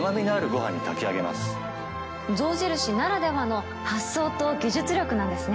象印ならではの発想と技術力なんですね。